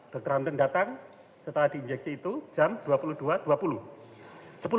dr hamdan datang setelah diinjeksi itu jam dua puluh dua dua puluh wib